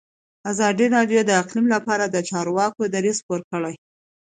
ازادي راډیو د اقلیم لپاره د چارواکو دریځ خپور کړی.